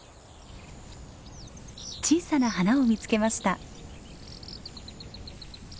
小さな花を見つけました。